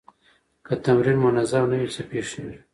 که تمرین منظم نه وي، څه پېښېږي؟